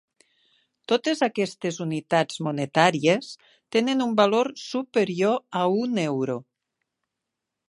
Totes aquestes unitats monetàries tenen un valor superior a un euro.